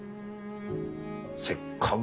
せっかぐ